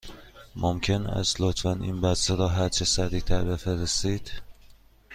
ممکن است لطفاً این بسته را هرچه سریع تر بفرستید؟